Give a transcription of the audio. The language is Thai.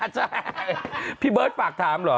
ใช่พี่เบิร์ตฝากถามเหรอ